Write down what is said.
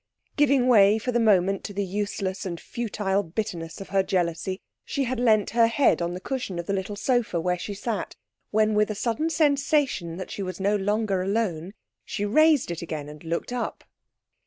Giving way for the moment to the useless and futile bitterness of her jealousy, she had leant her head on the cushion of the little sofa where she sat, when, with a sudden sensation that she was no longer alone, she raised it again and looked up.